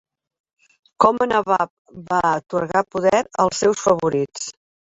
Com a Nabab va atorgar poder als seus favorits.